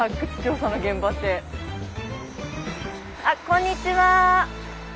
あっこんにちは。